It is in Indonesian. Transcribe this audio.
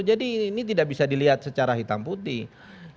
jadi ini tidak bisa dilihat secara hitam putih